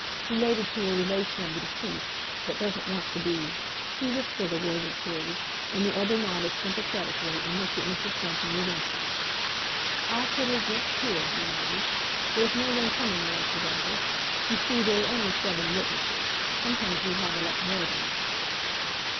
Related to a relation of the deceased, but doesn't want to be—" He whispered a word or two, and the other nodded sympathetically, and looked at Mrs. Bunting with interest. "I'll put her just here," he muttered. "There's no one coming there to day. You see, there are only seven witnesses—sometimes we have a lot more than that."